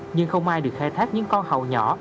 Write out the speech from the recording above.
nhưng không ai được khai thác những con hầu nhỏ